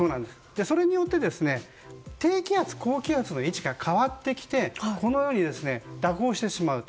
それによって低気圧、高気圧の位置が変わってきてこのように、蛇行してしまうと。